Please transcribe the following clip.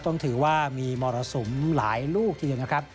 ต้องถือว่ามีมรสุมหลายลูกทีเดียวนะครับ